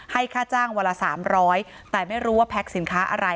ค่าจ้างวันละ๓๐๐แต่ไม่รู้ว่าแพ็คสินค้าอะไร